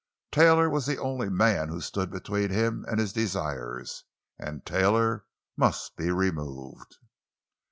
Taylor was the only man who stood between him and his desires, and Taylor must be removed.